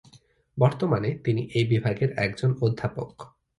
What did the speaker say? বর্তমানে তিনি এ বিভাগের একজন অধ্যাপক।